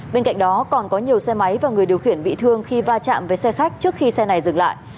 bên cạnh đó còn có nhiều xe máy và người điều khiển bị thương khi va chạm với xe khách trước khi xe này dừng lại